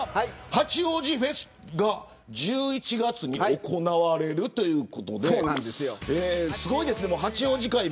八王子フェスが１１月に行われるということで八王子会、盛り上がってますね。